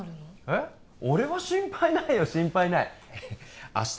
え俺は心配ないよ心配ない明日